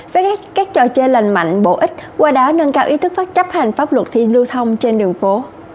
với các trò chơi lành mạnh bổ ích qua đó nâng cao ý thức pháp chấp hành pháp luật khi lưu thông trên đường phố